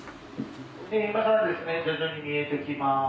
今から徐々に見えてきます。